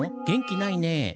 元気ないね。